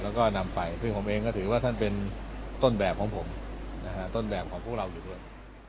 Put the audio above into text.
แล้วก็นำไปซึ่งผมเองก็ถือว่าท่านเป็นต้นแบบของผมนะฮะต้นแบบของพวกเราอยู่ด้วย